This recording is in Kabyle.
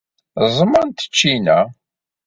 Ẓẓment ccina.